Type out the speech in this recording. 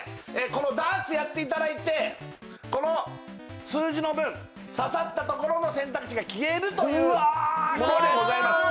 このダーツやっていただいてこの数字の分刺さったところの選択肢が消えるというものでございます